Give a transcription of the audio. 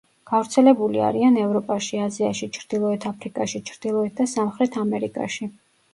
გავრცელებული არიან ევროპაში, აზიაში, ჩრდილოეთ აფრიკაში, ჩრდილოეთ და სამხრეთ ამერიკაში.